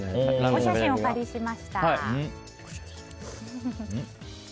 お写真お借りしました。